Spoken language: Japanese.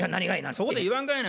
そこで言わんかいな。